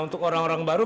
untuk orang baru